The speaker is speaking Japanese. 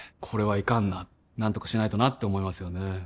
これはいかんな何とかしないとなって思いますよね